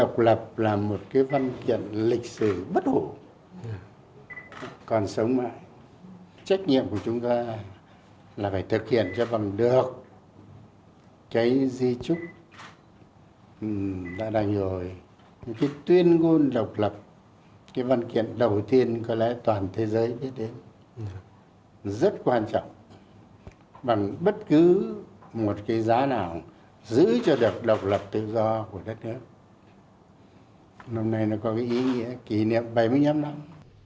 cái văn kiện đầu tiên có lẽ toàn thế giới biết đến rất quan trọng bằng bất cứ một cái giá nào giữ cho được độc lập tự do của đất nước năm nay nó có cái ý nghĩa kỷ niệm bảy mươi năm năm